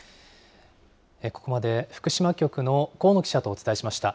ここまで福島局の高野記者とお伝えしました。